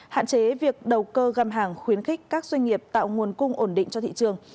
hạn chế việc đầu cơ găm hàng khuyến khích các doanh nghiệp tạo nguồn cung ổn định cho thị trường